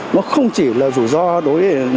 nó không chỉ là rủi ro đối với